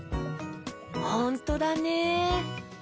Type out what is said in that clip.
ほんとだね。